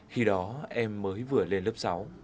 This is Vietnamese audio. khi đó em mới vừa lên lớp sáu